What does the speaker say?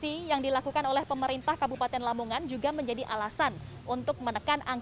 percepatan vaksinasi yang dilakukan oleh pemerintah kabupaten lamongan juga menjadi alasan untuk pemerintah kabupaten lamongan